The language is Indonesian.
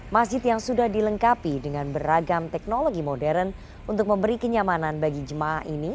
masjid yang sudah dilengkapi dengan beragam teknologi modern untuk memberi kenyamanan bagi jemaah ini